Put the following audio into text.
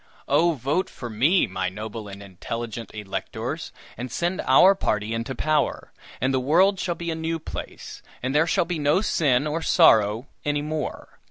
"Oh, vote for me, my noble and intelligent electors, and send our party into power, and the world shall be a new place, and there shall be no sin or sorrow any more!